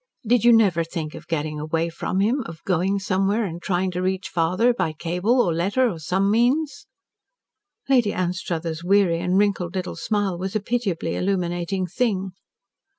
Did you never think of getting away from him, of going somewhere, and trying to reach father, by cable, or letter, by some means?" Lady Anstruthers' weary and wrinkled little smile was a pitiably illuminating thing.